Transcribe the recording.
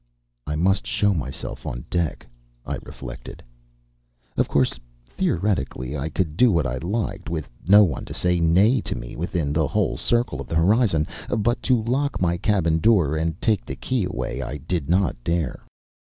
"I must show myself on deck," I reflected. Of course, theoretically, I could do what I liked, with no one to say nay to me within the whole circle of the horizon; but to lock my cabin door and take the key away I did not dare.